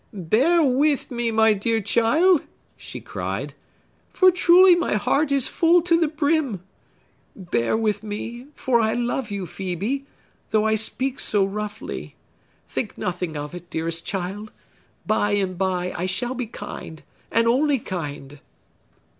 "Bear with me, my dear child," she cried; "for truly my heart is full to the brim! Bear with me; for I love you, Phœbe, though I speak so roughly. Think nothing of it, dearest child! By and by, I shall be kind, and only kind!"